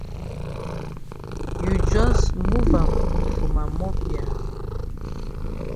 You jus move am for ma mop ya.